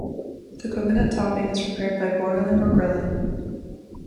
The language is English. The coconut topping is prepared by broiling or grilling.